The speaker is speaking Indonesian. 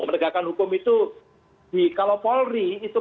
penegakan hukum itu kalau polri itu penegakan hukum